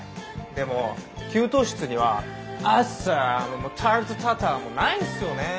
でも給湯室にはアッサムもタルトタタンもないんですよねえ。